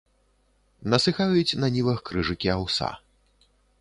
Насыхаюць на нівах крыжыкі аўса.